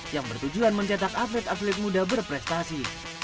yang bertujuan mencetak atlet atlet muda berprestasi